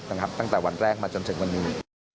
ตั้งแต่วันแรกมาจนถึงวันนี้